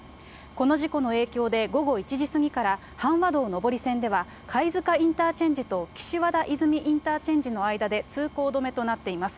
この事故の影響で、午後１時過ぎから阪和道上り線では貝塚インターチェンジときしわだいずみインターチェンジの間で通行止めとなっています。